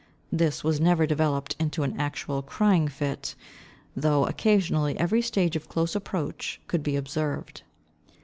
This was never developed into an actual crying fit, though occasionally every stage of close approach could be observed.